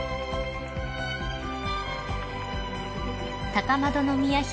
［高円宮妃